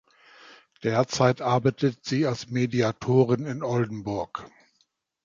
Derzeit arbeitet sie als Mediatorin in Oldenburg.